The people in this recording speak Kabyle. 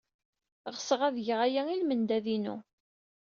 Ɣseɣ ad tged aya i lmendad-inu.